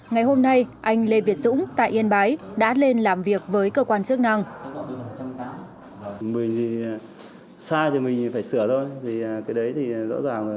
ngày hôm nay anh lê việt dũng tại yên bái đã lên làm việc với cơ quan chức năng